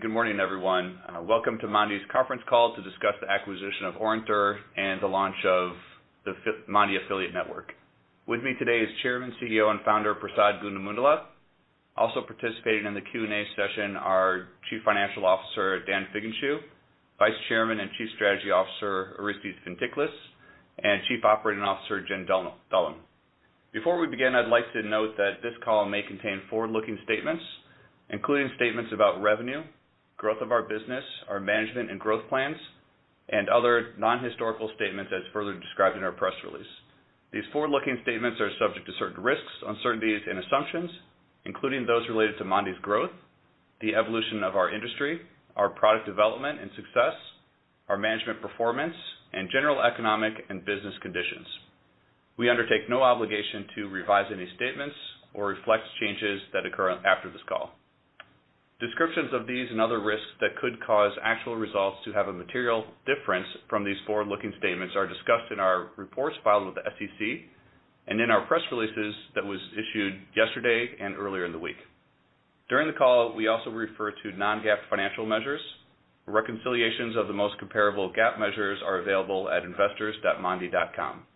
Good morning, everyone. Welcome to Mondee's conference call to discuss the acquisition of Orinter and the launch of the Mondee Affiliate Network. With me today is Chairman, CEO, and Founder, Prasad Gundumogula. Also participating in the Q&A session are Chief Financial Officer, Jesus Portillo, Vice Chairman and Chief Strategy Officer, Orestes Fintiklis, and Chief Operating Officer, Jim Dullum. Before we begin, I'd like to note that this call may contain forward-looking statements, including statements about revenue, growth of our business, our management and growth plans, and other non-historical statements as further described in our press release. These forward-looking statements are subject to certain risks, uncertainties, and assumptions, including those related to Mondee's growth, the evolution of our industry, our product development and success, our management performance, and general economic and business conditions. We undertake no obligation to revise any statements or reflect changes that occur after this call. Descriptions of these and other risks that could cause actual results to have a material difference from these forward-looking statements are discussed in our reports filed with the SEC and in our press releases that was issued yesterday and earlier in the week. During the call, we also refer to non-GAAP financial measures. Reconciliations of the most comparable GAAP measures are available at investors.mondee.com.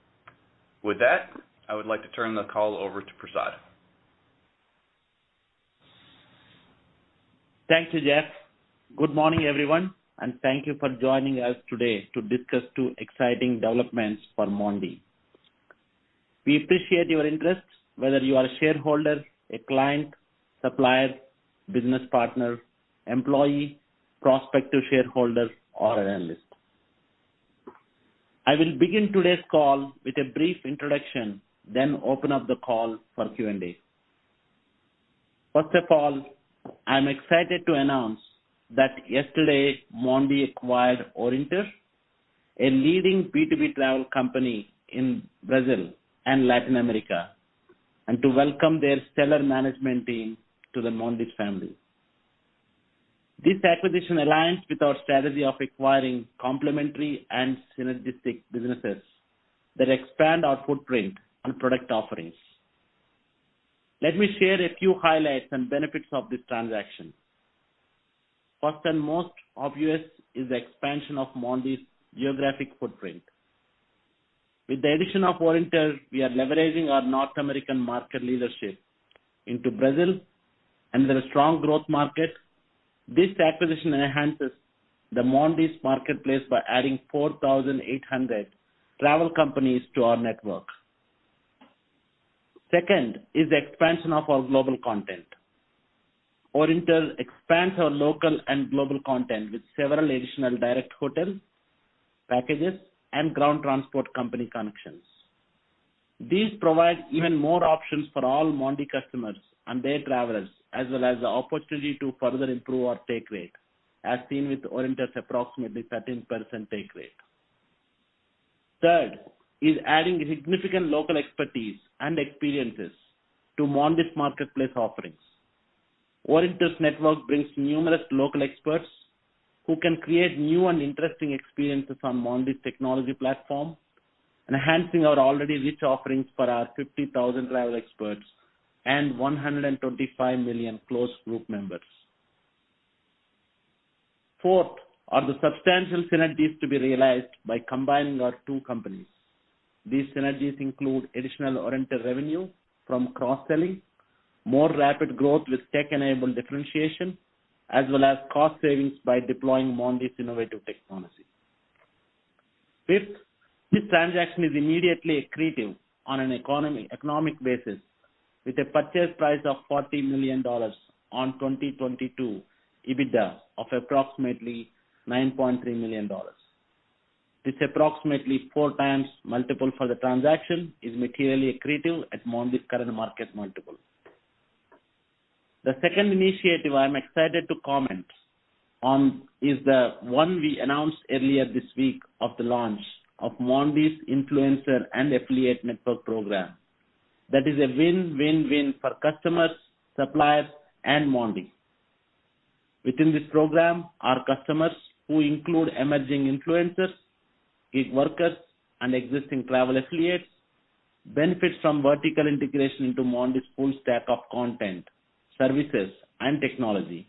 With that, I would like to turn the call over to Prasad. Thank you, Jeff. Good morning, everyone, and thank you for joining us today to discuss two exciting developments for Mondee. We appreciate your interest, whether you are a shareholder, a client, supplier, business partner, employee, prospective shareholder, or an analyst. I will begin today's call with a brief introduction, then open up the call for Q&A. First of all, I'm excited to announce that yesterday Mondee acquired Orinter, a leading B2B travel company in Brazil and Latin America, and to welcome their stellar management team to the Mondee family. This acquisition aligns with our strategy of acquiring complementary and synergistic businesses that expand our footprint and product offerings. Let me share a few highlights and benefits of this transaction. First and most obvious is the expansion of Mondee's geographic footprint. With the addition of Orinter, we are leveraging our North American market leadership into Brazil and their strong growth market. This acquisition enhances the Mondee's marketplace by adding 4,800 travel companies to our network. Second is the expansion of our global content. Orinter expands our local and global content with several additional direct hotel packages and ground transport company connections. These provide even more options for all Mondee customers and their travelers, as well as the opportunity to further improve our take rate, as seen with Orinter's approximately 13% take rate. Third is adding significant local expertise and experiences to Mondee's marketplace offerings. Orinter's network brings numerous local experts who can create new and interesting experiences on Mondee's technology platform, enhancing our already rich offerings for our 50,000 travel experts and 125 million closed group members. Fourth are the substantial synergies to be realized by combining our two companies. These synergies include additional Orinter revenue from cross-selling, more rapid growth with tech-enabled differentiation, as well as cost savings by deploying Mondee's innovative technology. Fifth, this transaction is immediately accretive on an economic basis with a purchase price of $40 million on 2022 EBITDA of approximately $9.3 million. This approximately 4x multiple for the transaction is materially accretive at Mondee's current market multiple. The second initiative I'm excited to comment on is the one we announced earlier this week of the launch of Mondee's Influencer and Affiliate Network program. That is a win-win-win for customers, suppliers, and Mondee. Within this program, our customers, who include emerging influencers, gig workers, and existing travel affiliates, benefit from vertical integration into Mondee's full stack of content, services, and technology.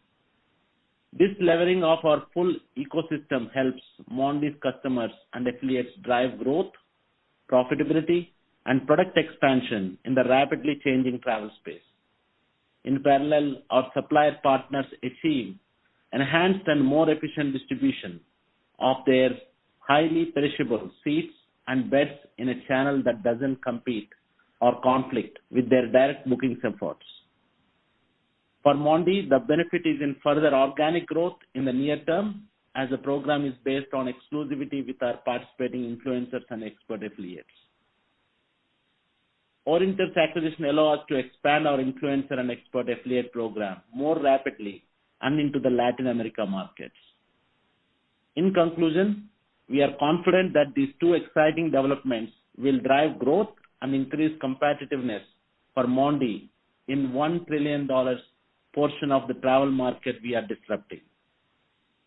This levering of our full ecosystem helps Mondee's customers and affiliates drive growth, profitability, and product expansion in the rapidly changing travel space. In parallel, our supplier partners achieve enhanced and more efficient distribution of their highly perishable seats and beds in a channel that doesn't compete or conflict with their direct booking efforts. For Mondee, the benefit is in further organic growth in the near term as the program is based on exclusivity with our participating influencers and expert affiliates. Orinter's acquisition allow us to expand our influencer and expert affiliate program more rapidly and into the Latin America markets. In conclusion, we are confident that these two exciting developments will drive growth and increase competitiveness for Mondee in $1 trillion portion of the travel market we are disrupting.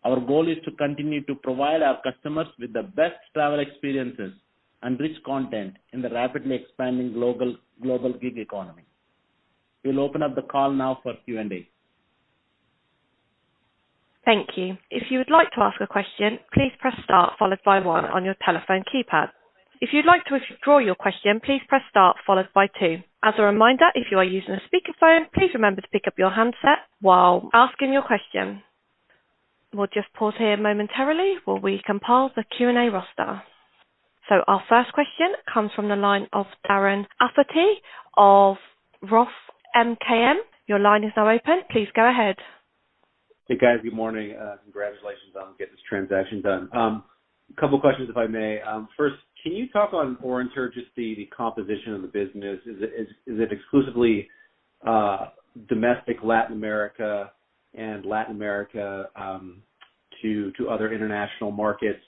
Our goal is to continue to provide our customers with the best travel experiences and rich content in the rapidly expanding global gig economy. We'll open up the call now for Q&A. Thank you. If you would like to ask a question, please press star followed by one on your telephone keypad. If you'd like to withdraw your question, please press star followed by two. As a reminder, if you are using a speaker phone, please remember to pick up your handset while asking your question. We'll just pause here momentarily while we compile the Q&A roster. Our first question comes from the line of Darren Aftahi of Roth MKM. Your line is now open. Please go ahead. Hey, guys. Good morning. Congratulations on getting this transaction done. A couple questions, if I may. First, can you talk on Orinter, just the composition of the business? Is it exclusively domestic Latin America and Latin America to other international markets?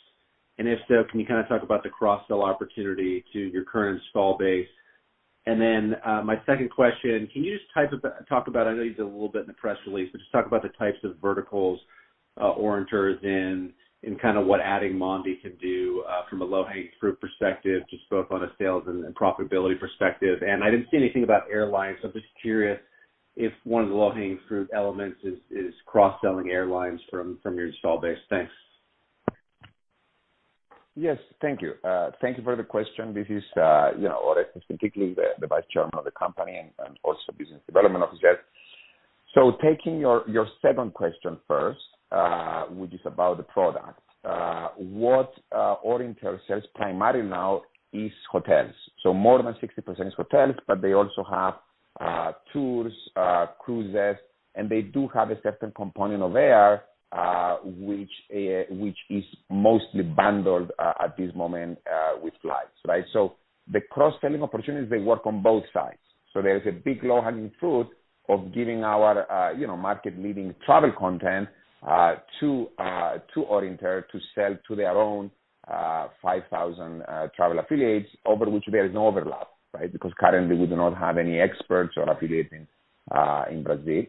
If so, can you kind of talk about the cross-sell opportunity to your current install base? My second question, can you just talk about, I know you did a little bit in the press release, but just talk about the types of verticals Orinter is in and kind of what adding Mondee can do from a low-hanging fruit perspective, just both on a sales and a profitability perspective. I didn't see anything about airlines, so I'm just curious if one of the low-hanging fruit elements is cross-selling airlines from your install base. Thanks. Yes. Thank you. Thank you for the question. This is, you know, Orestes, specifically the Vice Chairman of the company and also Business Development Officer. Taking your second question first, which is about the product. What Orinter sells primarily now is hotels. More than 60% is hotels, but they also have tours, cruises, and they do have a certain component of air, which is mostly bundled at this moment with flights, right? The cross-selling opportunities, they work on both sides. There is a big low-hanging fruit of giving our, you know, market-leading travel content to Orinter to sell to their own 5,000 travel affiliates over which there is no overlap, right? Currently, we do not have any experts or affiliates in Brazil.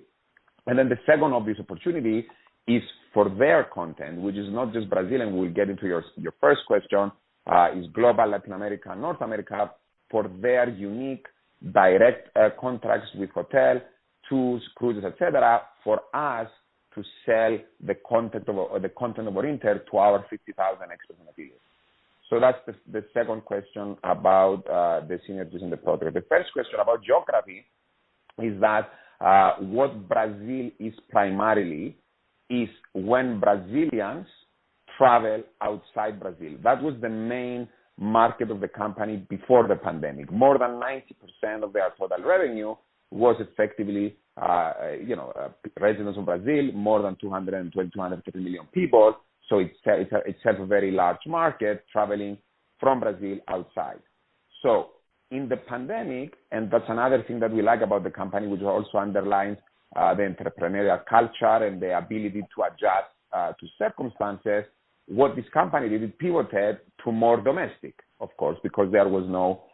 The second obvious opportunity is for their content, which is not just Brazilian. We'll get into your first question, is global Latin America, North America, for their unique direct contracts with hotels, tours, cruises, et cetera, for us to sell the content of Orinter to our 50,000 expert affiliates. That's the second question about the synergies and the product. The first question about geography is that what Brazil is primarily is when Brazilians travel outside Brazil. That was the main market of the company before the pandemic. More than 90% of their total revenue was effectively, you know, residents of Brazil, more than 220 million-250 million people. It's a very large market traveling from Brazil outside. In the pandemic, and that's another thing that we like about the company, which also underlines the entrepreneurial culture and the ability to adjust to circumstances. What this company did, it pivoted to more domestic, of course, because there was no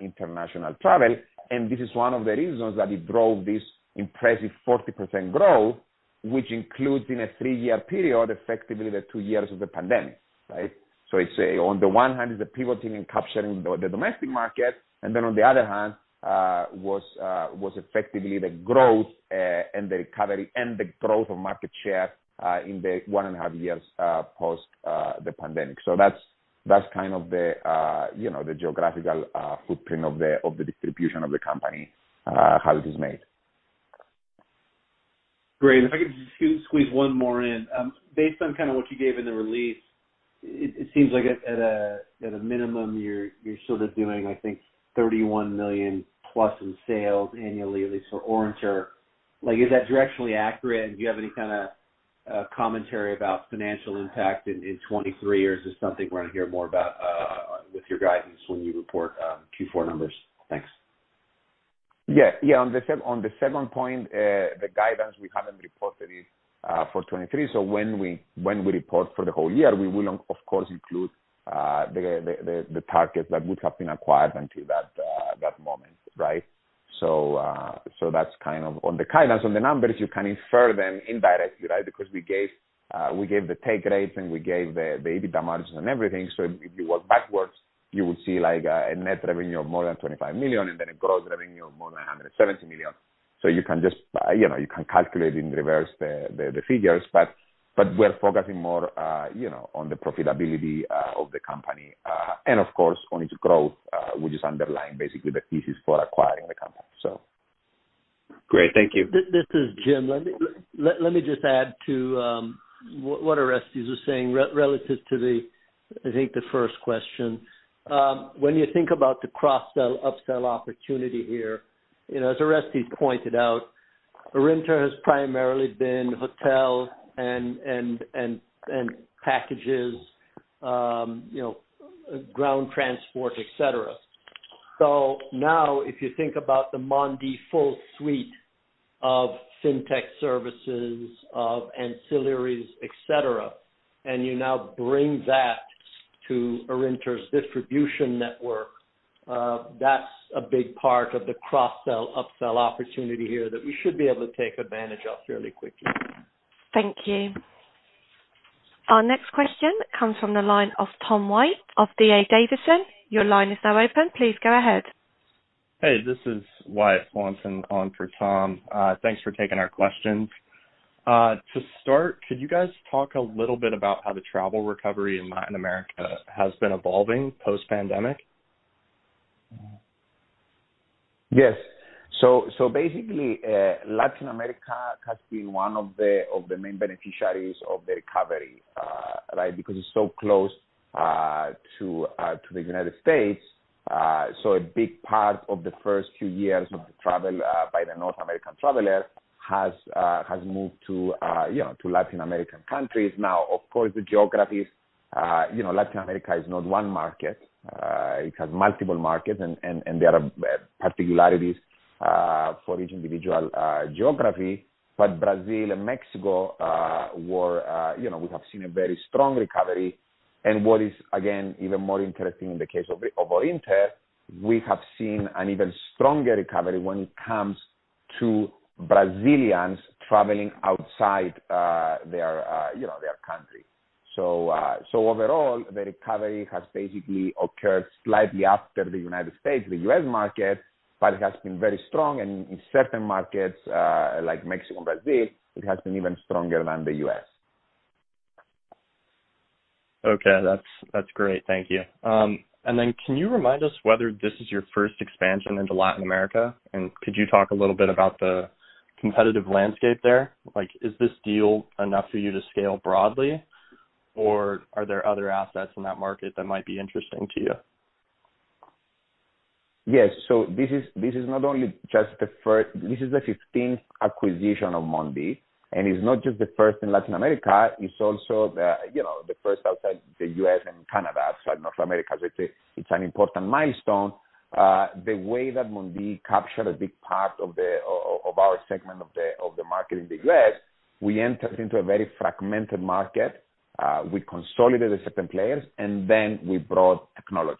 international travel. This is one of the reasons that it drove this impressive 40% growth, which includes in a three-year period, effectively the two years of the pandemic, right. It's on the one hand, the pivoting and capturing the domestic market, and then on the other hand, was effectively the growth and the recovery and the growth of market share in the 1 and a half years post the pandemic. That's kind of the, you know, the geographical footprint of the distribution of the company, how it is made. Great. If I could just squeeze one more in. Based on kinda what you gave in the release, it seems like at a minimum, you're sort of doing, I think, 31 million plus in sales annually at least for Orinter. Like, is that directionally accurate? Do you have any kinda commentary about financial impact in 2023? Is this something we're gonna hear more about with your guidance when you report Q4 numbers? Thanks. Yeah. Yeah. On the second point, the guidance, we haven't reported it for 2023. When we report for the whole year, we will, of course, include the targets that would have been acquired until that moment, right? That's kind of on the guidance. On the numbers, you can infer them indirectly, right? We gave the take rates, and we gave the EBITDA margins and everything. If you work backwards, you would see like a net revenue of more than 25 million and then a gross revenue of more than 170 million. You can just, you know, you can calculate in reverse the figures. We're focusing more, you know, on the profitability of the company, and of course, on its growth, which is underlying basically the thesis for acquiring the company. So. Great. Thank you. This is Jim. Let me just add to what Orestes was saying relative to the, I think the first question. When you think about the cross-sell, upsell opportunity here, you know, as Orestes pointed out, Orinter has primarily been hotels and packages, you know, ground transport, et cetera. Now if you think about the Mondee full suite of FinTech services, of ancillaries, et cetera, and you now bring that To Orinter's distribution network, that's a big part of the cross sell, upsell opportunity here that we should be able to take advantage of fairly quickly. Thank you. Our next question comes from the line of Tom White of D.A. Davidson. Your line is now open. Please go ahead. Hey, this is Wyatt Swanson on for Tom. Thanks for taking our questions. To start, could you guys talk a little bit about how the travel recovery in Latin America has been evolving post-pandemic? Yes. Basically, Latin America has been one of the main beneficiaries of the recovery, right? Because it's so close to the United States. A big part of the first two years of travel by the North American travelers has moved to, you know, to Latin American countries. Of course, the geographies, you know, Latin America is not one market, it has multiple markets and there are particularities for each individual geography. Brazil and Mexico were, you know, we have seen a very strong recovery. What is, again, even more interesting in the case of Orinter, we have seen an even stronger recovery when it comes to Brazilians traveling outside, you know, their country. Overall, the recovery has basically occurred slightly after the United States, the U.S. market, but it has been very strong. In certain markets, like Mexico and Brazil, it has been even stronger than the U.S. Okay. That's great. Thank you. Then can you remind us whether this is your first expansion into Latin America? Could you talk a little bit about the competitive landscape there? Like, is this deal enough for you to scale broadly, or are there other assets in that market that might be interesting to you? Yes. This is not only just the first. This is the 15th acquisition of Mondee, and it's not just the first in Latin America, it's also the, you know, the first outside the U.S. and Canada, so North America. It's an important milestone. The way that Mondee captured a big part of our segment of the market in the U.S., we entered into a very fragmented market. We consolidated the certain players, and then we brought technology,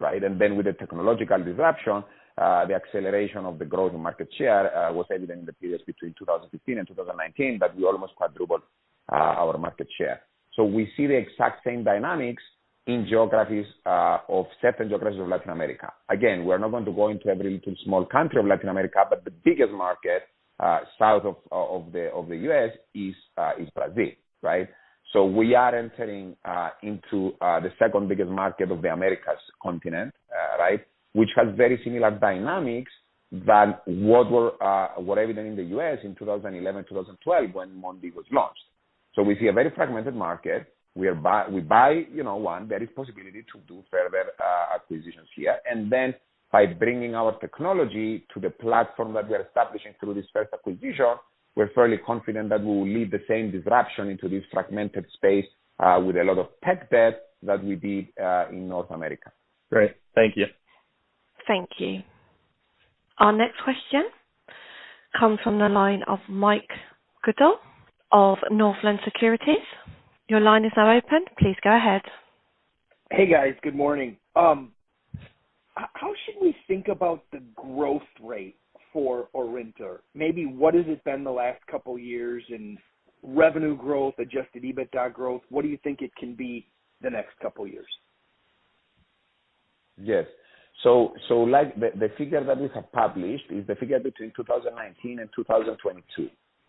right? With the technological disruption, the acceleration of the growth in market share was evident in the periods between 2015 and 2019, that we almost quadrupled our market share. We see the exact same dynamics in geographies of certain geographies of Latin America. We're not going to go into every little small country of Latin America, but the biggest market south of the U.S. is Brazil, right? We are entering into the second biggest market of the Americas continent, right? Which has very similar dynamics than what were evident in the U.S. in 2011, 2012 when Mondee was launched. We see a very fragmented market. We buy, you know, one. There is possibility to do further acquisitions here. By bringing our technology to the platform that we are establishing through this first acquisition, we're fairly confident that we will lead the same disruption into this fragmented space with a lot of tech debt that we did in North America. Great. Thank you. Thank you. Our next question comes from the line of Mike Grondahl of Northland Securities. Your line is now open. Please go ahead. Hey, guys. Good morning. How should we think about the growth rate for Orinter? Maybe what has it been the last couple years in revenue growth, adjusted EBITDA growth? What do you think it can be the next couple years? Yes. Like the figure that we have published is the figure between 2019 and 2022,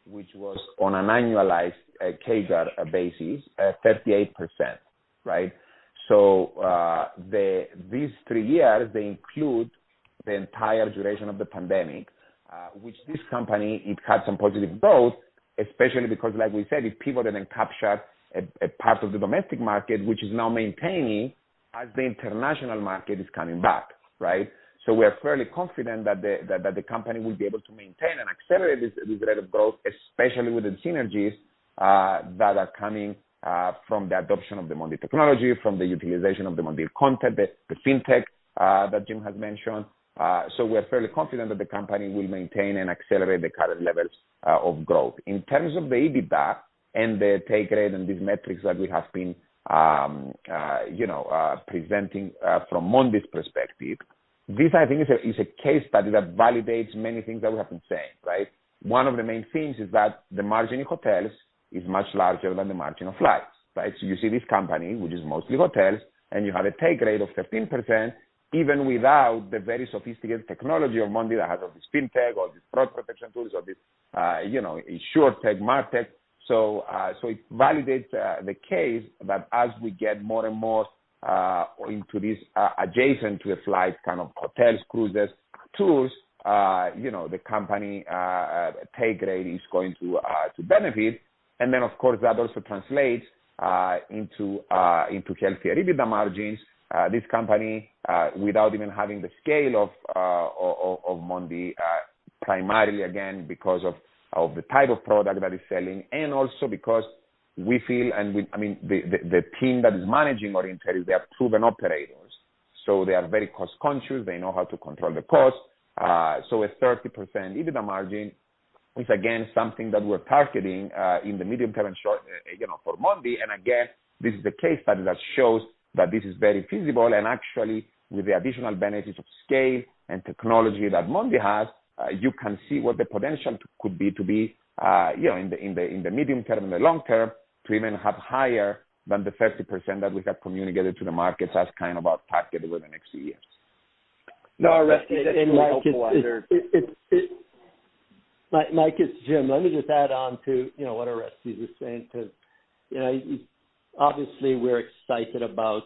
which was on an annualized CAGR basis, 38%, right? These three years, they include the entire duration of the pandemic, which this company, it had some positive growth, especially because, like we said, it pivoted and captured a part of the domestic market, which is now maintaining as the international market is coming back, right? We are fairly confident that the company will be able to maintain and accelerate this rate of growth, especially with the synergies that are coming from the adoption of the Mondee technology, from the utilization of the Mondee content, the FinTech that Jim has mentioned. We are fairly confident that the company will maintain and accelerate the current levels of growth. In terms of the EBITDA and the take rate and these metrics that we have been, you know, presenting from Mondee's perspective, this I think is a case study that validates many things that we have been saying, right? One of the main things is that the margin in hotels is much larger than the margin of flights, right? You see this company, which is mostly hotels, and you have a take rate of 13% even without the very sophisticated technology of Mondee that has all this FinTech, all these fraud protection tools, all these, you know, Insurtech, market. It validates the case that as we get more and more into this adjacent to a flight kind of hotels, cruises, tools, you know, the company take rate is going to benefit. Of course, that also translates into healthier EBITDA margins. This company, without even having the scale of Mondee, primarily again, because of the type of product that is selling and also because we feel I mean, the team that is managing Orinter, they are proven operators. They are very cost conscious. They know how to control the cost. A 30% EBITDA margin is again, something that we're targeting in the medium term and short, you know, for Mondee. Again, this is the case study that shows that this is very feasible. Actually, with the additional benefits of scale and technology that Mondee has, you can see what the potential could be to be, you know, in the medium term, in the long term to even have higher than the 30% that we have communicated to the market as kind of our target over the next few years. Orestes, and Mike, it's Jim. Let me just add on to, you know, what Orestes was saying because, you know, obviously we're excited about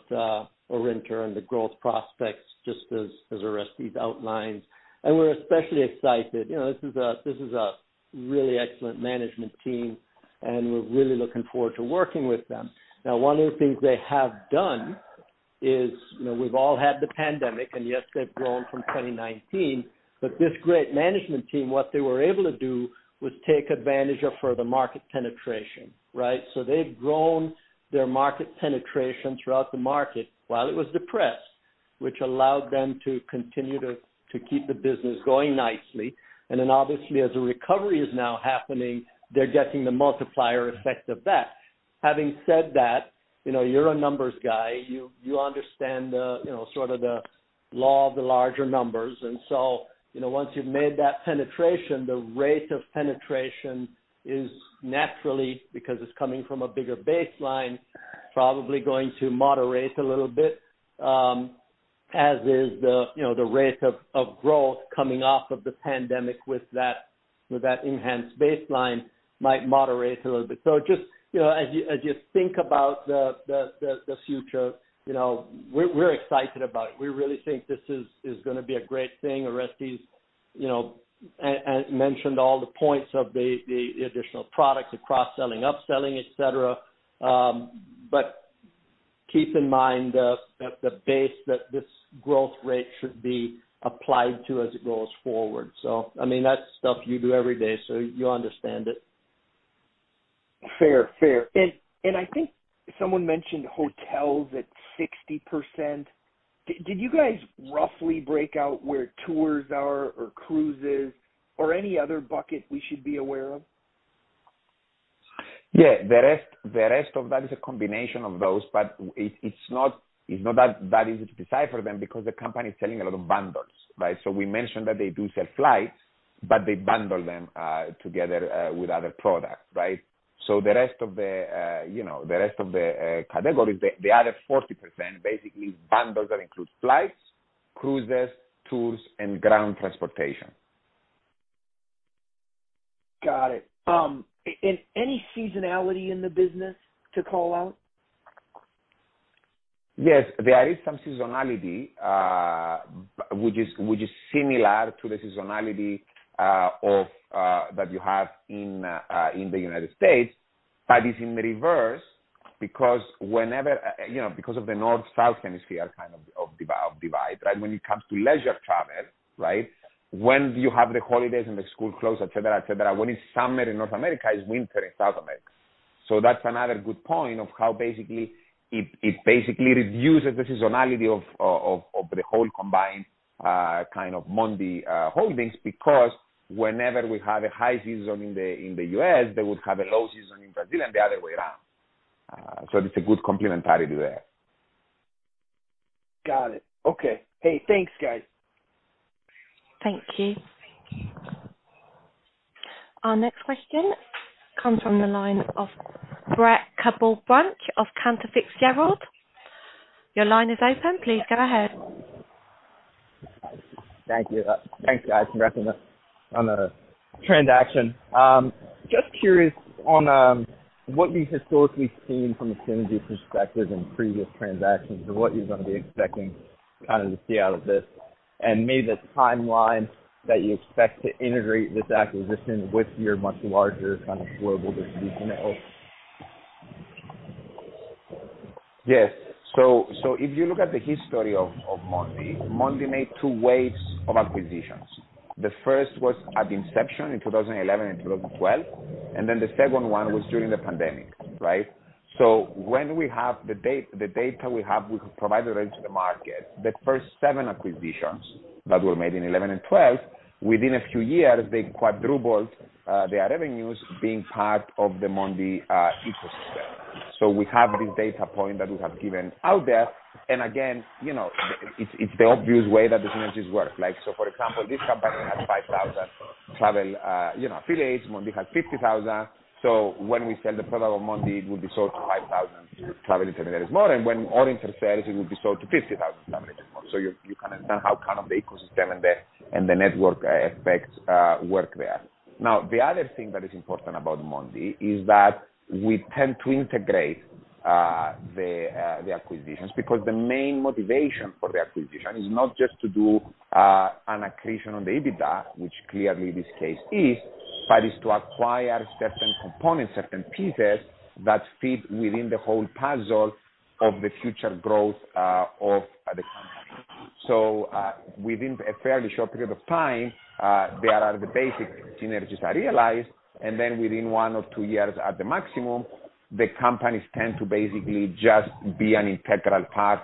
Orinter and the growth prospects just as Orestes outlined, and we're especially excited. You know, this is a really excellent management team, and we're really looking forward to working with them. One of the things they have done is, you know, we've all had the pandemic and yes, they've grown from 2019, but this great management team, what they were able to do was take advantage of further market penetration, right? They've grown their market penetration throughout the market while it was depressed, which allowed them to continue to keep the business going nicely. Obviously as the recovery is now happening, they're getting the multiplier effect of that. Having said that, you know, you're a numbers guy. You understand the, you know, sort of the law of the larger numbers. Once you've made that penetration, the rate of penetration is naturally, because it's coming from a bigger baseline, probably going to moderate a little bit, as is the, you know, the rate of growth coming off of the pandemic with that, with that enhanced baseline might moderate a little bit. Just, you know, as you think about the future, you know, we're excited about it. We really think this is gonna be a great thing. Orestes, you know, mentioned all the points of the additional products, the cross-selling, upselling, et cetera. Keep in mind the base that this growth rate should be applied to as it goes forward. I mean, that's stuff you do every day, so you understand it. Fair. Fair. I think someone mentioned hotels at 60%. Did you guys roughly break out where tours are or cruises or any other bucket we should be aware of? Yeah. The rest of that is a combination of those, but it's not that easy to decipher them because the company is selling a lot of bundles, right? We mentioned that they do sell flights, but they bundle them together with other products, right? The rest of the, you know, the rest of the categories, the other 40% basically bundles that includes flights, cruises, tours, and ground transportation. Got it. Any seasonality in the business to call out? Yes. There is some seasonality, which is similar to the seasonality of that you have in the United States, but it's in reverse because whenever, you know, because of the North-South hemisphere kind of divide, right? When it comes to leisure travel, right? When you have the holidays and the school closed, et cetera, et cetera, when it's summer in North America, it's winter in South America. That's another good point of how basically it basically reduces the seasonality of the whole combined kind of Mondee holdings, because whenever we have a high season in the in the U.S., they would have a low season in Brazil and the other way around. It's a good complementarity there. Got it. Okay. Hey, thanks, guys. Thank you. Our next question comes from the line of Brett Knoblauch of Cantor Fitzgerald. Your line is open. Please go ahead. Thank you. Thanks, guys, for wrapping up on the transaction. Just curious on what you've historically seen from a synergy perspective in previous transactions and what you're gonna be expecting, kind of, to see out of this, and maybe the timeline that you expect to integrate this acquisition with your much larger, kind of, global distribution network? If you look at the history of Mondee made two waves of acquisitions. The first was at the inception in 2011 and 2012, the second one was during the pandemic, right? When we have the data we have, we could provide already to the market. The first seven acquisitions that were made in 2011 and 2012, within a few years, they quadrupled their revenues being part of the Mondee ecosystem. We have this data point that we have given out there. Again, you know, it's the obvious way that the synergies work. Like, for example, this company has 5,000 travel, you know, affiliates. Mondee has 50,000. When we sell the product of Mondee, it would be sold to 5,000 travel intermediaries more, and when Orinter sells, it would be sold to 50,000 travel intermediaries more. You can understand how, kind of, the ecosystem and the, and the network effects work there. The other thing that is important about Mondee is that we tend to integrate the acquisitions, because the main motivation for the acquisition is not just to do an accretion on the EBITDA, which clearly this case is, but is to acquire certain components, certain pieces that fit within the whole puzzle of the future growth of the company. Within a fairly short period of time, there are the basic synergies are realized, and then within one or two years at the maximum, the companies tend to basically just be an integral part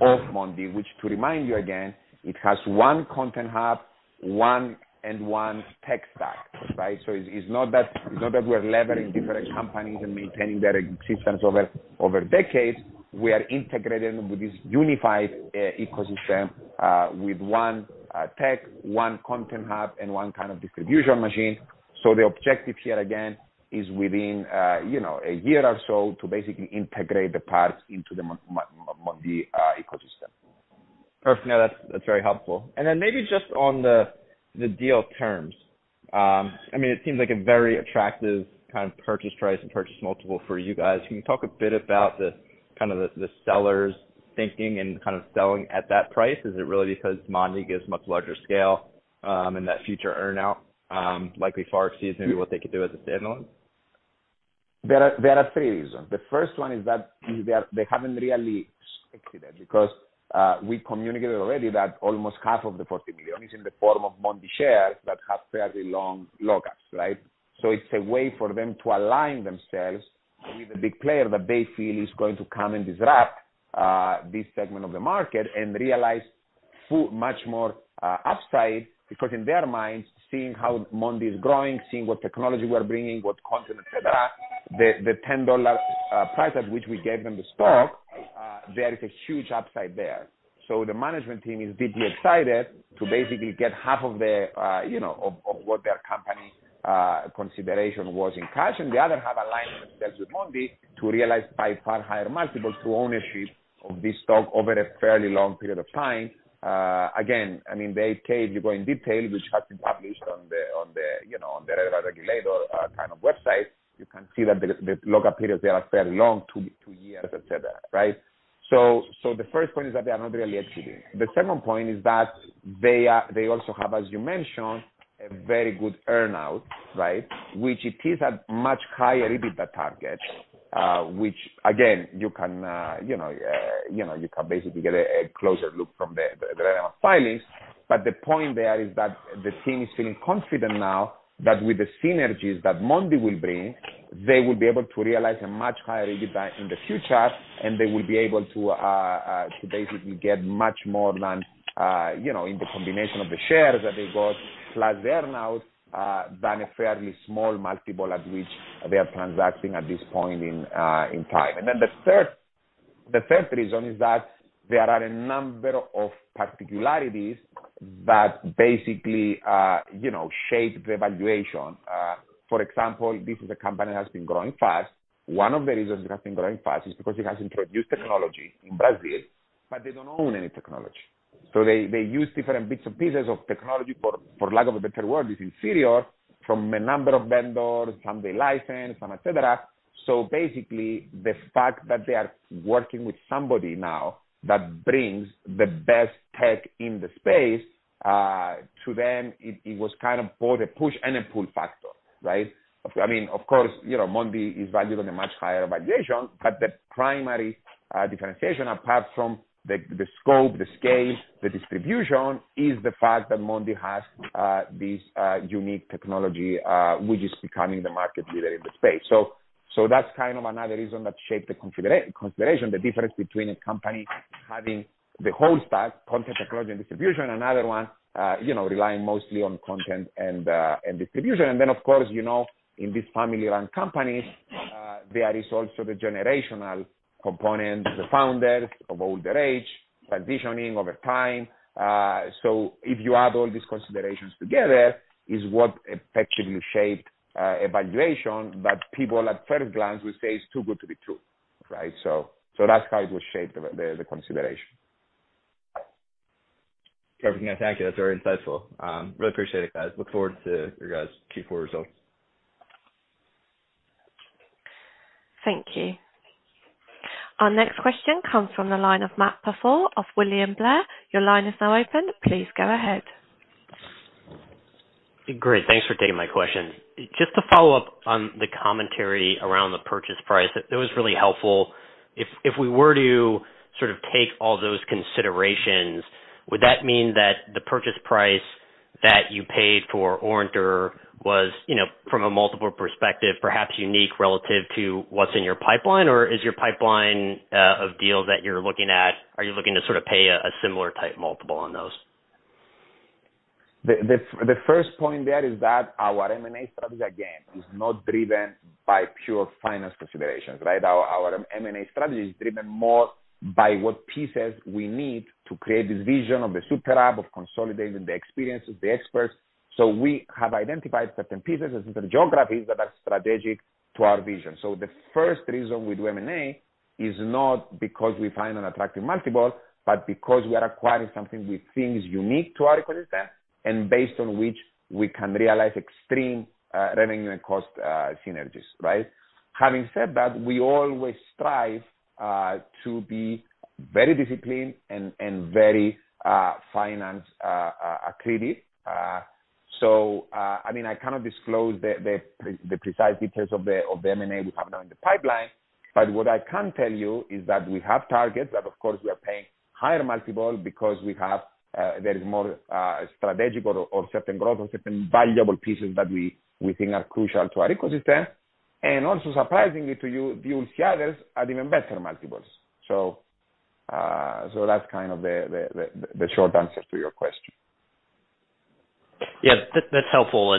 of Mondee, which to remind you again, it has one content hub, one and one tech stack, right? It's not that we're levering different companies and maintaining their existence over decades. We are integrating with this unified ecosystem, with 1 tech, one content hub and one kind of distribution machine. The objective here again is within, you know, a year or so to basically integrate the parts into the Mondee ecosystem. Perfect. No, that's very helpful. Maybe just on the deal terms. I mean, it seems like a very attractive kind of purchase price and purchase multiple for you guys. Can you talk a bit about the kind of the sellers thinking and kind of selling at that price? Is it really because Mondee gives much larger scale, and that future earn-out, likely far exceeds maybe what they could do as a standalone? There are three reasons. The first one is that they haven't really exited because we communicated already that almost half of the 40 million is in the form of Mondee shares that have fairly long lockups, right? It's a way for them to align themselves with a big player that they feel is going to come and disrupt this segment of the market and realize full much more upside because in their minds, seeing how Mondee is growing, seeing what technology we're bringing, what content, et cetera, the $10 price at which we gave them the stock, there is a huge upside there. The management team is deeply excited to basically get half of their, you know, of what their company consideration was in cash. The other half alignment that with Mondee to realize by far higher multiples to ownership of this stock over a fairly long period of time. Again, I mean, they paid, you go in detail, which has been published on the, on the, you know, on the regulator kind of websites. You can see that the lockup periods, they are fairly long, two years, et cetera, right? The first point is that they are not really exiting. The second point is that they also have, as you mentioned, a very good earn-out, right? Which it is a much higher EBITDA target, which again, you can, you know, you can basically get a closer look from the filings. The point there is that the team is feeling confident now that with the synergies that Mondee will bring, they will be able to realize a much higher EBITDA in the future, and they will be able to basically get much more than, you know, in the combination of the shares that they got, plus the earn-out, than a fairly small multiple at which they are transacting at this point in time. The third reason is that there are a number of particularities that basically, you know, shape the valuation. For example, this is a company that has been growing fast. One of the reasons it has been growing fast is because it has introduced technology in Brazil, but they don't own any technology. They use different bits and pieces of technology for lack of a better word, is inferior from a number of vendors, some they license, some et cetera. Basically, the fact that they are working with somebody now that brings the best tech in the space to them, it was kind of both a push and a pull factor, right? I mean, of course, you know, Mondee is valued on a much higher valuation, but the primary differentiation apart from the scope, the scale, the distribution is the fact that Mondee has this unique technology, which is becoming the market leader in the space. That's kind of another reason that shaped the configuration. The difference between a company having the whole stack, content, technology and distribution, another one, you know, relying mostly on content and distribution. Then of course, you know, in these family-run companies, there is also the generational component, the founders of older age, transitioning over time. If you add all these considerations together is what effectively shaped evaluation, but people at third glance would say it's too good to be true, right? That's how it would shape the consideration. Perfect. Yeah. Thank you. That's very insightful. Really appreciate it, guys. Look forward to your guys' Q4 results. Thank you. Our next question comes from the line of Matt Pfau of William Blair. Your line is now open. Please go ahead. Great. Thanks for taking my question. Just to follow up on the commentary around the purchase price, it was really helpful. If we were to sort of take all those considerations, would that mean that the purchase price that you paid for Orinter was, you know, from a multiple perspective, perhaps unique relative to what's in your pipeline? Or is your pipeline of deals that you're looking at, are you looking to sort of pay a similar type multiple on those? The first point there is that our M and A strategy again, is not driven by pure finance considerations, right? Our M and A strategy is driven more by what pieces we need to create this vision of the super app, of consolidating the experiences, the experts. We have identified certain pieces and certain geographies that are strategic to our vision. The first reason we do M and A is not because we find an attractive multiple, but because we are acquiring something we think is unique to our ecosystem and based on which we can realize extreme revenue and cost synergies, right? Having said that, we always strive to be very disciplined and very finance accretive. I mean, I cannot disclose the precise details of the M and A we have now in the pipeline. What I can tell you is that we have targets that, of course, we are paying higher multiple because we have, there is more strategic or certain growth or certain valuable pieces that we think are crucial to our ecosystem. Also surprisingly to you, deal shareholders are even better multiples. That's kind of the short answer to your question. Yeah. That's helpful.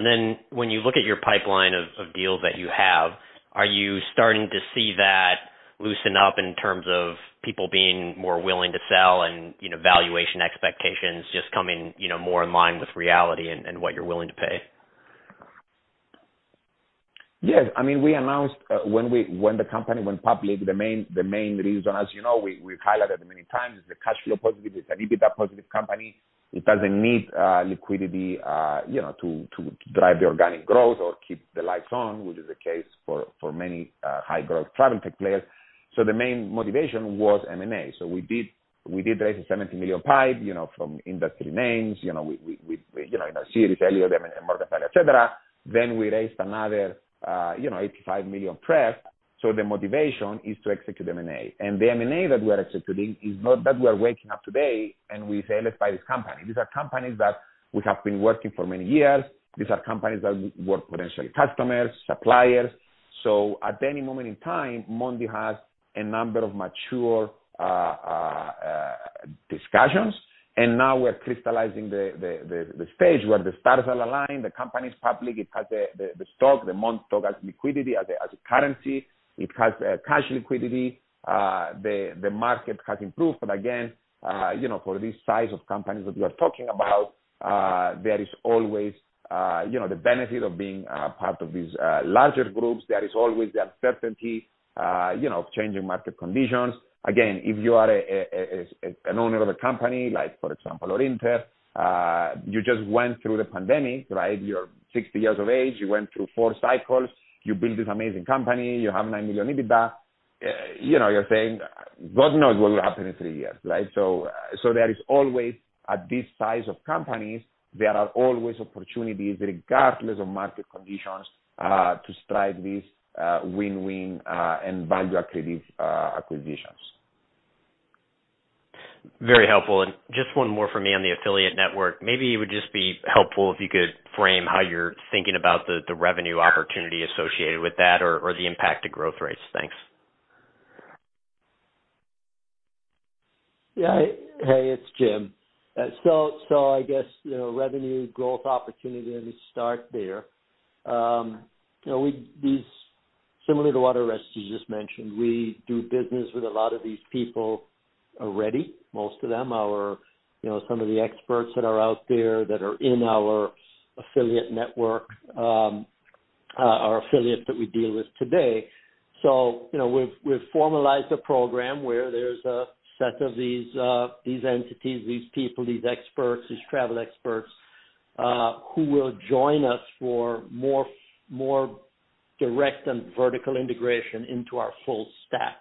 When you look at your pipeline of deals that you have, are you starting to see that loosen up in terms of people being more willing to sell and, you know, valuation expectations just coming, you know, more in line with reality and what you're willing to pay? Yes. I mean, we announced, when the company went public, the main reason, as you know, we've highlighted many times is the cash flow positive. It's an EBITDA positive company. It doesn't need liquidity, you know, to drive the organic growth or keep the lights on, which is the case for many high growth travel tech players. The main motivation was M and A. We did raise a 70 million pipe, you know, from industry names. You know, we, you know, in our series earlier, the Morgan Stanley, et cetera, then we raised another, you know, 85 million prep. The motivation is to execute M&A. The M and A that we are executing is not that we are waking up today, and we say, "Let's buy this company." These are companies that we have been working for many years. These are companies that we were potentially customers, suppliers. At any moment in time, Mondee has a number of mature discussions. Now we're crystallizing the stage where the stars are aligned, the company's public, it has the stock, the Mondee stock has liquidity as a currency. It has cash liquidity. The market has improved. Again, you know, for this size of companies that we are talking about, there is always, you know, the benefit of being part of these larger groups. There is always the uncertainty, you know, of changing market conditions. Again, if you are an owner of a company, like for example, Orinter, you just went through the pandemic, right? You're 60 years of age, you went through four cycles, you build this amazing company, you have 9 million EBITDA. You know, you're saying, God knows what will happen in three years, right? There is always, at this size of companies, there are always opportunities regardless of market conditions, to strike these win-win and value accretive acquisitions. Very helpful. Just one more for me on the Affiliate Network. Maybe it would just be helpful if you could frame how you're thinking about the revenue opportunity associated with that or the impact to growth rates? Thanks. Yeah. Hey, it's Jim. I guess, you know, revenue growth opportunity, let me start there. You know, these similarly to what Orestes just mentioned, we do business with a lot of these people already. Most of them are, you know, some of the experts that are out there that are in our Affiliate Network, are affiliates that we deal with today. You know, we've formalized a program where there's a set of these entities, these people, these experts, these travel experts, who will join us for more direct and vertical integration into our full stack.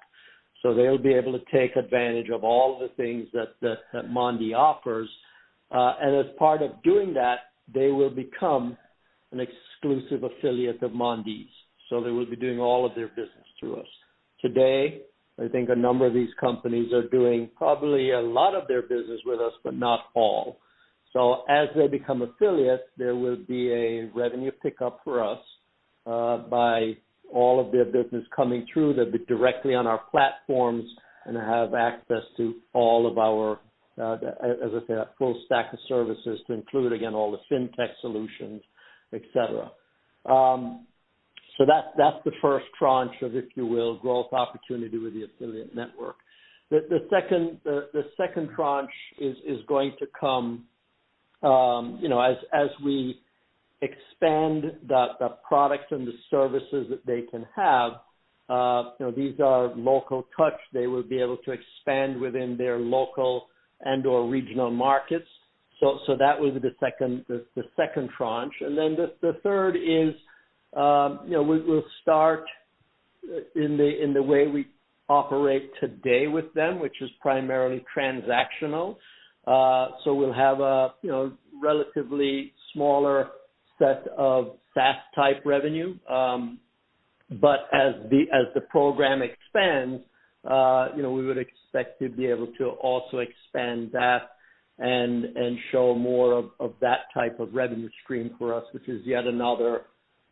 They'll be able to take advantage of all the things that Mondee offers. As part of doing that, they will become an exclusive affiliate of Mondee's, so they will be doing all of their business through us. Today, I think a number of these companies are doing probably a lot of their business with us, but not all. As they become affiliates, there will be a revenue pickup for us by all of their business coming through. They'll be directly on our platforms and have access to all of our, as I said, our full stack of services to include, again, all the FinTech solutions, et cetera. That's, that's the first tranche of, if you will, growth opportunity with the affiliate network. The second tranche is going to come, you know, as we expand the products and the services that they can have. You know, these are local touch. They will be able to expand within their local and/or regional markets. That was the second, the second tranche. Then the third is, you know, we'll start in the way we operate today with them, which is primarily transactional. So we'll have a, you know, relatively smaller set of SaaS type revenue. But as the program expands, you know, we would expect to be able to also expand that and show more of that type of revenue stream for us, which is yet another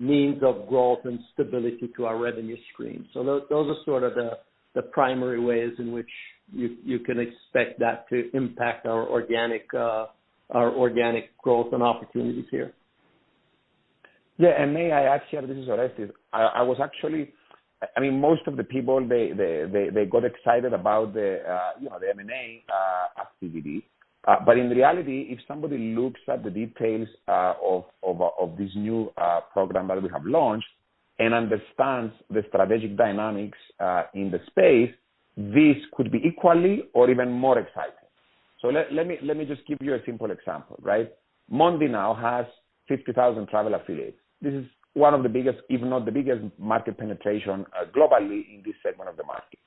means of growth and stability to our revenue stream. Those are sort of the primary ways in which you can expect that to impact our organic, our organic growth and opportunities here. Yeah. May I add here? This is Orestes. I was actually, I mean, most of the people, they got excited about the, you know, the M&A activity. In reality, if somebody looks at the details of this new program that we have launched and understands the strategic dynamics in the space, this could be equally or even more exciting. Let me just give you a simple example, right? Mondee now has 50,000 travel affiliates. This is one of the biggest, if not the biggest market penetration globally in this segment of the market.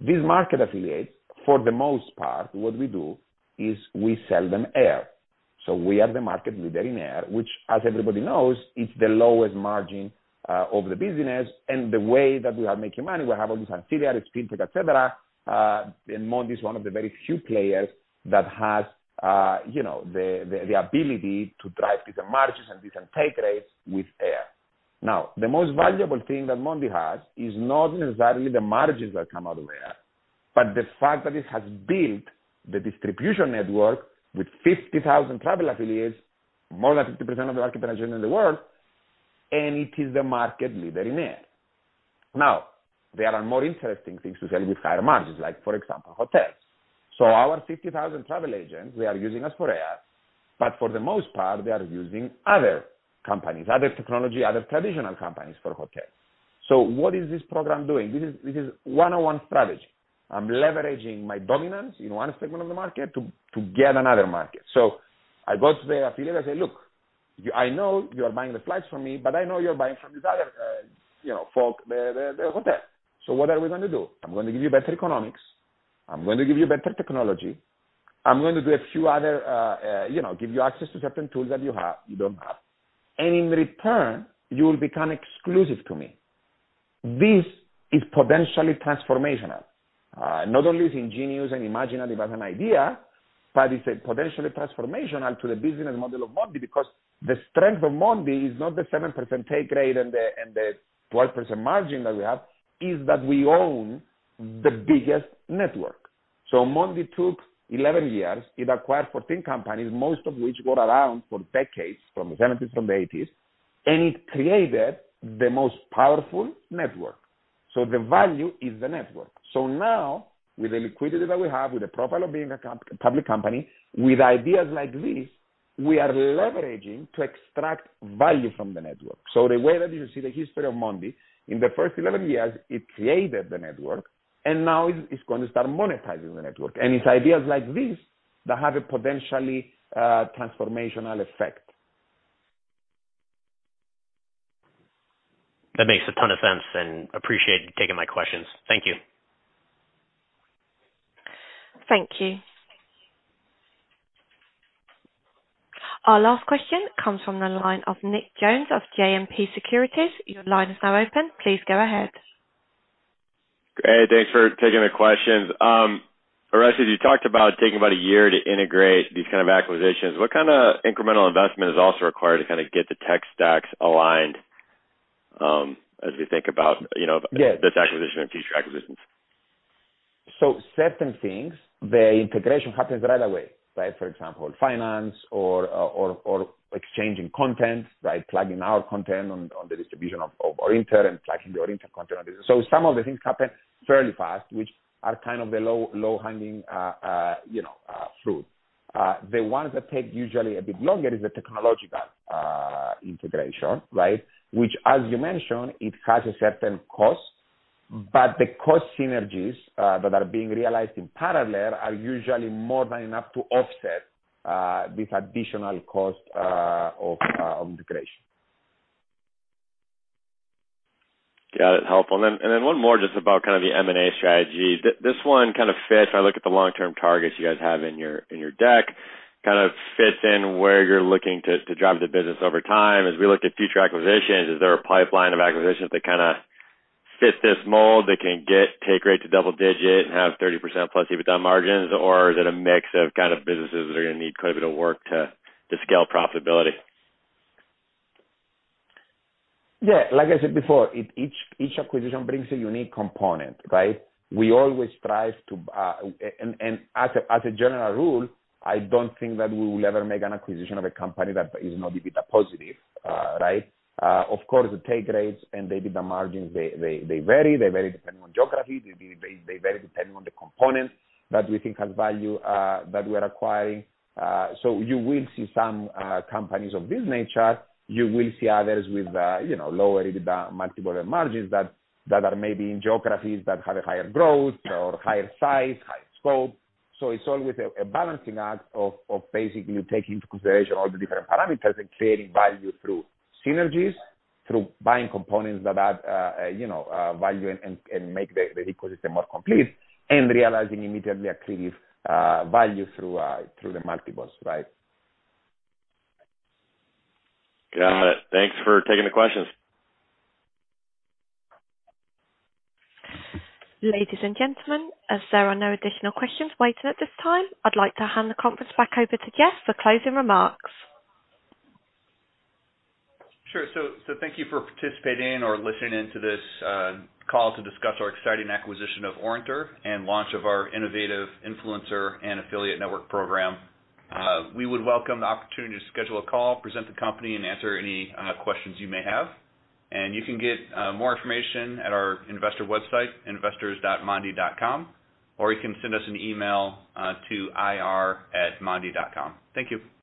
This market affiliates, for the most part, what we do is we sell them air. We are the market leader in air, which as everybody knows, is the lowest margin of the business. The way that we are making money, we have all these affiliates, et cetera. Mondee is one of the very few players that has, you know, the, the ability to drive bigger margins and different take rates with air. The most valuable thing that Mondee has is not necessarily the margins that come out of air, but the fact that it has built the distribution network with 50,000 travel affiliates, more than 50% of the market penetration in the world, and it is the market leader in air. There are more interesting things to sell with higher margins like for example, hotels. Our 50,000 travel agents, they are using us for air, but for the most part, they are using other companies, other technology, other traditional companies for hotels. What is this program doing? This is one-on-one strategy. I'm leveraging my dominance in one segment of the market to get another market. I go to the affiliate, I say: Look, I know you are buying the flights from me, but I know you're buying from this other, you know, folk the hotel. What are we going to do? I'm going to give you better economics. I'm going to give you better technology. I'm going to do a few other, you know, give you access to certain tools that you don't have. In return, you will become exclusive to me. This is potentially transformational. Not only is ingenious and imaginative as an idea, but it's a potentially transformational to the business model of Mondee because the strength of Mondee is not the 7% take rate and the, and the 12% margin that we have, is that we own the biggest network. Mondee took 11 years. It acquired 14 companies, most of which were around for decades, from the seventies, from the eighties, and it created the most powerful network. The value is the network. Now with the liquidity that we have, with the profile of being a public company, with ideas like this, we are leveraging to extract value from the network. The way that you see the history of Mondee, in the first 11 years, it created the network, and now it's gonna start monetizing the network. It's ideas like this that have a potentially, transformational effect. That makes a ton of sense, and appreciate taking my questions. Thank you. Thank you. Our last question comes from the line of Nick Jones of JMP Securities. Your line is now open. Please go ahead. Great. Thanks for taking the questions. Orestes, you talked about taking about a year to integrate these kinda acquisitions. What kinda incremental investment is also required to kinda get the tech stacks aligned, as we think about? Yes. this acquisition and future acquisitions? Certain things, the integration happens right away, right? For example, finance or exchanging content, right? Plugging our content on the distribution of Orinter and plugging the Orinter content. Some of the things happen fairly fast, which are kind of the low-hanging, you know, fruit. The ones that take usually a bit longer is the technological integration, right? Which as you mentioned, it has a certain cost. The cost synergies that are being realized in parallel are usually more than enough to offset this additional cost of integration. Got it. Helpful. Then one more just about kind of the M and A strategy. This one kind of fits. I look at the long-term targets you guys have in your, in your deck, kind of fits in where you're looking to drive the business over time. As we look at future acquisitions, is there a pipeline of acquisitions that kinda fit this mold, that can get take rate to double-digit and have 30% plus EBITDA margins, or is it a mix of kind of businesses that are gonna need quite a bit of work to scale profitability? Yeah. Like I said before, each acquisition brings a unique component, right? We always strive to and as a general rule, I don't think that we will ever make an acquisition of a company that is not EBITDA positive, right? Of course, the take rates and the EBITDA margins, they vary. They vary depending on geography. They vary depending on the components that we think has value that we're acquiring. You will see some companies of this nature. You will see others with, you know, lower EBITDA multiple and margins that are maybe in geographies that have a higher growth or higher size, higher scope. It's always a balancing act of basically taking into consideration all the different parameters and creating value through synergies, through buying components that add, you know, value and make the ecosystem more complete, and realizing immediately accretive value through the multiples. Right? Got it. Thanks for taking the questions. Ladies and gentlemen, as there are no additional questions waiting at this time, I'd like to hand the conference back over to Jeff for closing remarks. Sure. Thank you for participating or listening in to this call to discuss our exciting acquisition of Orinter and launch of our innovative influencer and affiliate network program. We would welcome the opportunity to schedule a call, present the company, and answer any questions you may have. You can get more information at our investor website, investors.mondee.com, or you can send us an email to ir@mondee.com. Thank you.